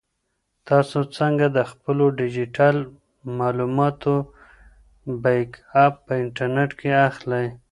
تاسو څنګه د خپلو ډیجیټل معلوماتو بیک اپ په انټرنیټ کې اخلئ؟